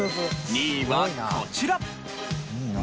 ２位はこちら。